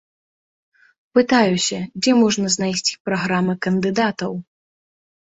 Пытаюся, дзе можна знайсці праграмы кандыдатаў.